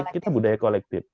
kita budaya kolektif